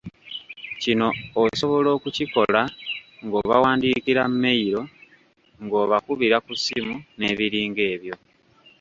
Kino osobola okukikola ng’obawandiikira mmeyiro, ng’obakubira ku ssimu n’ebiringa ebyo.